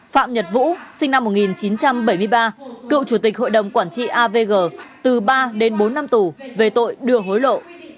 phạm nhật vũ sinh năm một nghìn chín trăm bảy mươi ba cựu chủ tịch hội đồng quản trị avg từ ba đến bốn năm tù về tội đưa hối lộ